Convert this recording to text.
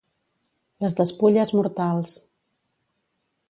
Les despulles mortals.